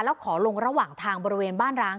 แล้วขอลงระหว่างทางบริเวณบ้านร้าง